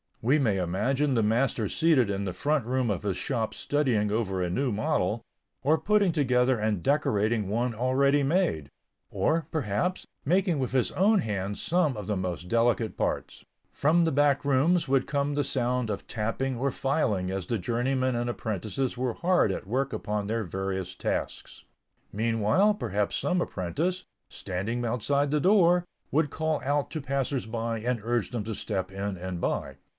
We may imagine the master seated in the front room of his shop studying over a new model, or putting together and decorating one already made; or, perhaps, making with his own hands some of the most delicate parts. From the back rooms would come the sound of tapping or filing as the journeymen and apprentices were hard at work upon their various tasks. Meanwhile, perhaps some apprentice, standing outside the door, would call out to passers by and urge them to step in and buy.